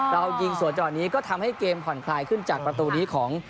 เรายิงสวนจังหวะนี้ก็ทำให้เกมผ่อนคลายขึ้นจากประตูนี้ของ